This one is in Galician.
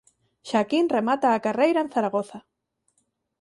Xaquín remata a carreira en Zaragoza.